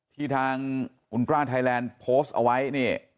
ที่ทางคุณกล้าไทยแลนด์โพสต์เอาไว้เนี่ย